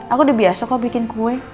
aku udah biasa kok bikin kue